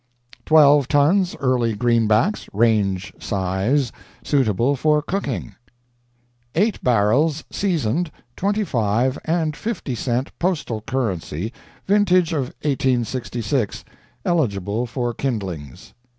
Twelve tons early greenbacks, range size, suitable for cooking. Eight barrels seasoned 25 and 50 cent postal currency, vintage of 1866, eligible for kindlings.